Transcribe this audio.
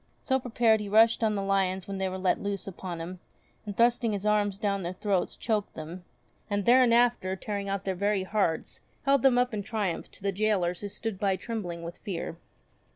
So prepared he rushed on the lions when they were let loose upon him, and thrusting his arms down their throats choked them, and thereinafter tearing out their very hearts, held them up in triumph to the gaolers who stood by trembling with fear.